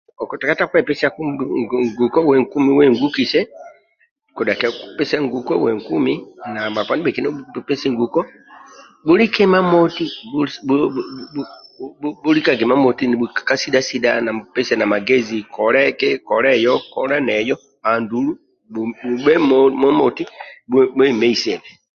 Okuteketa kwepesiaku uwe nkumi wengukise kodhakia kwepesia nguko uwe nkumi na bhakpa ndibhekina obhu pesie nguko bhulike imamoti bhulikage imamoti nibhu kasidha sidhana nibhukupesiana magezi kola eki kola eyo kola neyo andulu bhubhe imamoti bhuemeisebe